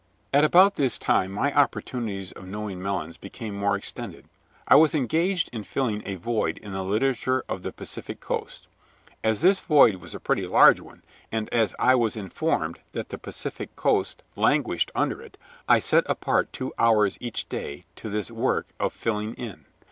At about this time my opportunities of knowing Melons became more extended. I was engaged in filling a void in the Literature of the Pacific Coast. As this void was a pretty large one, and as I was informed that the Pacific Coast languished under it, I set apart two hours each day to this work of filling in.